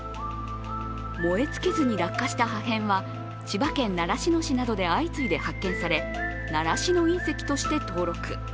燃え尽きずに落下した破片は千葉県習志野市などで相次いで発見され習志野隕石として登録。